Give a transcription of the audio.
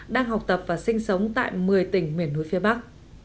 đang học tập và sinh sống tại một mươi tỉnh miền núi phía bắc